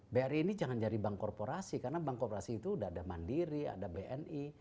bri ini jangan jadi bank korporasi karena bank korporasi itu sudah ada mandiri ada bni